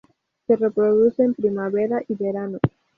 Se reproduce en primavera y verano.